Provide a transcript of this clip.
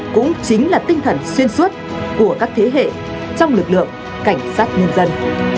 cũng chính là tinh thần xuyên suốt của các thế hệ trong lực lượng cảnh sát nhân dân